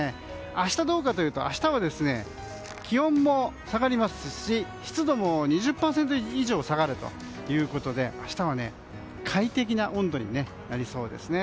明日はどうかというと明日は気温も下がりますし湿度も２０％以上下がるということで明日は快適な温度になりそうですね。